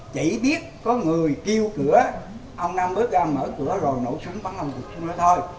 chỉ biết có người kêu cửa ông nam bước ra mở cửa rồi nổ súng bắn ông thủ xuống đó thôi